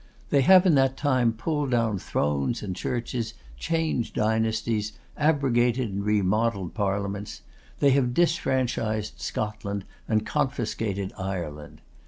They have in that time pulled down thrones and churches, changed dynasties, abrogated and remodelled parliaments; they have disfranchised Scotland and confiscated Ireland.